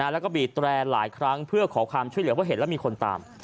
แล้วก็บีดแรร์หลายครั้งเพื่อขอความช่วยเหลือเพราะเห็นแล้วมีคนตาม